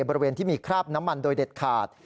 บริเวณที่มีคราบน้ำมันโดยเด็ดขาด